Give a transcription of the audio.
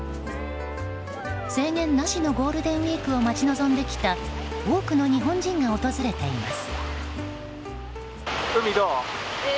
制限なしのゴールデンウィークを待ち望んできた多くの日本人が訪れています。